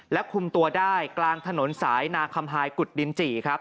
และคุมตัวได้กลางถนนสายนาคมฮายกุฎดินจิ